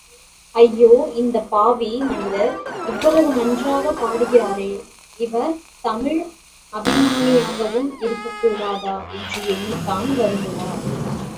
ஐயாே இந்தப் பாவி மனிதர் இவ்வளவு நன்றாகப் பாடுகிறாரே, இவர் தமிழ் அபிமானியாகவும் இருக்கக்கூடாதா? என்று எண்ணித்தான் வருந்துவார்.